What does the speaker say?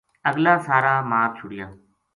اگلا سارا مار چھڑیا